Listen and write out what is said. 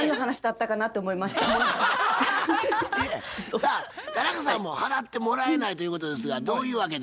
さあ田中さんも払ってもらえないということですがどういうわけで？